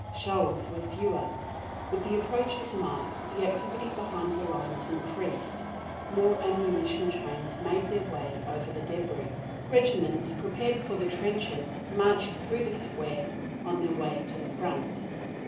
Shells were fewer. With the approach of night the activity behind the lines increased; more ammunition trains made their way over the débris; regiments prepared for the trenches marched through the square on their way to the front.